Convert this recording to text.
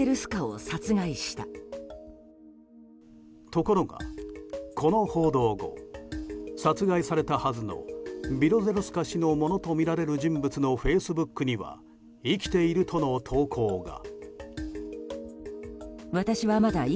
ところが、この報道後殺害されたはずのビロゼルスカ氏のものとみられる人物のフェイスブックには生きているとの投稿が。